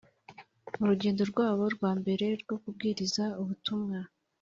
mu rugendo rwabo rwa mbere rwo kubwiriza ubutumwa